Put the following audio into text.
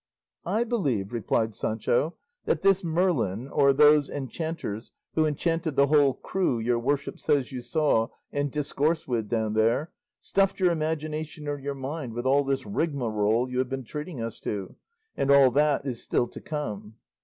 "I believe," replied Sancho, "that this Merlin, or those enchanters who enchanted the whole crew your worship says you saw and discoursed with down there, stuffed your imagination or your mind with all this rigmarole you have been treating us to, and all that is still to come."